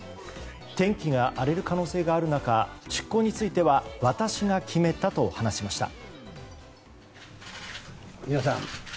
天気が荒れる可能性がある中出航については私が決めたと話しました。